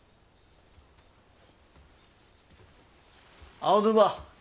青沼。